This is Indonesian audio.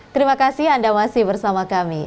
terima kasih anda masih bersama kami